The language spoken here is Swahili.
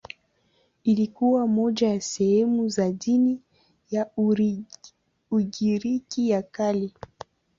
Ilikuwa moja ya sehemu za dini ya Ugiriki ya Kale.